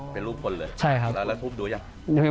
เป็นรูปคนเลยแล้วทุบดูอย่างไร